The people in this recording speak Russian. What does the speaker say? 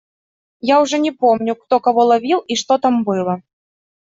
Я уже не помню, кто кого ловил и что там было.